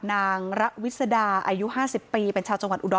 ท่านผู้ชมครับ